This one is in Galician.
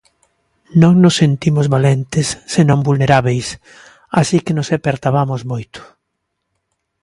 Non nos sentimos valentes senón vulnerábeis, así que nos apertabamos moito.